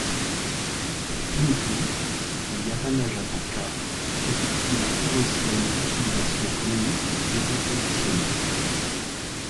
Pour Pingree, le Yavanajātaka constitue la plus ancienne utilisation connue du zéro positionnel.